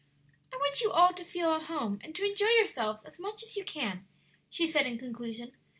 "I want you all to feel at home and to enjoy yourselves as much as you can," she said, in conclusion.